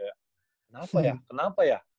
kenapa ya kenapa ya